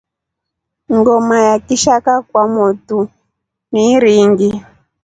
Ngoma ya kishakaa cha kwa motu ni iringi.